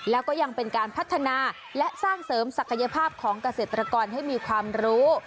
แล้วก็ยังเป็นการพัฒนาและสร้างเสริมศักยภาพของเกษตรกรให้มีความรู้